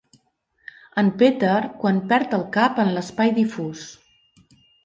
En Peter quan perd el cap en l'espai difús.